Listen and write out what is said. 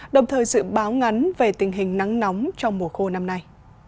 đồng thời dự báo ngắn về tình hình nắng nóng trong mùa khô năm nay